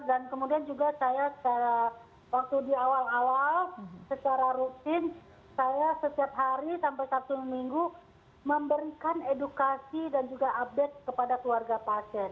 dan kemudian juga saya waktu di awal awal secara rutin saya setiap hari sampai satu minggu memberikan edukasi dan juga update kepada keluarga pasien